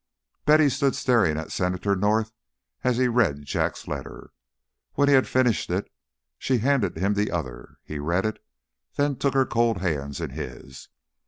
Betty stood staring at Senator North as he read Jack's letter. When he had finished it, she handed him the other. He read it, then took her cold hands in his.